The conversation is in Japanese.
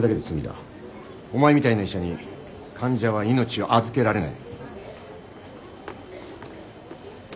お前みたいな医者に患者は命を預けられない。